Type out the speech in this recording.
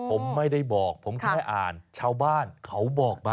ผมไม่ได้บอกผมแค่อ่านชาวบ้านเขาบอกมา